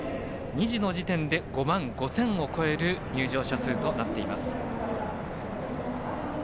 ２時の時点で５万５０００を超える入場者数となっています。